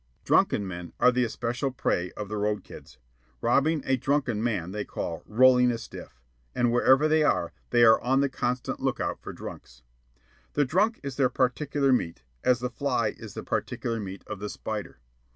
Drunken men are the especial prey of the road kids. Robbing a drunken man they call "rolling a stiff"; and wherever they are, they are on the constant lookout for drunks. The drunk is their particular meat, as the fly is the particular meat of the spider.